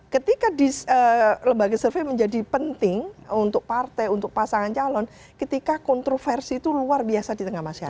ketika lembaga survei menjadi penting untuk partai untuk pasangan calon ketika kontroversi itu luar biasa di tengah masyarakat